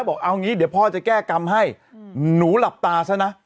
บอกเอางี้เดี๋ยวพ่อจะแก้กรรมให้หนูหลับตาซะนะ